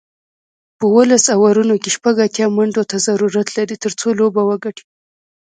په اوولس اورونو کې شپږ اتیا منډو ته ضرورت لري، ترڅو لوبه وګټي